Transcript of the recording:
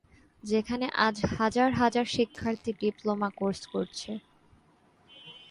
যেখানে আজ হাজার হাজার শিক্ষার্থী ডিপ্লোমা কোর্স করছে।